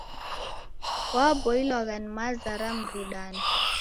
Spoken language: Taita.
Waboilwagha na maza ra mrudano.